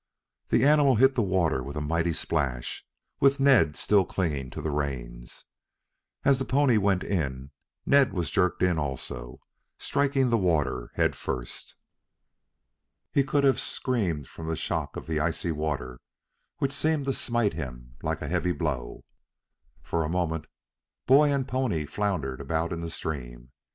The animal hit the water with a mighty splash, with Ned still clinging to the reins. As the pony went in, Ned was jerked in also, striking the water head first. He could have screamed from the shock of the icy water, which seemed to smite him like a heavy blow. For a moment boy and pony floundered about in the stream.